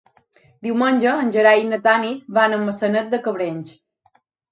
Diumenge en Gerai i na Tanit van a Maçanet de Cabrenys.